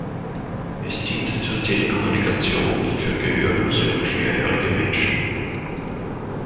Es dient zur Telekommunikation für gehörlose und schwerhörige Menschen.